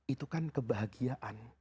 itu kan kebahagiaan